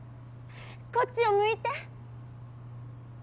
こっちを向いて！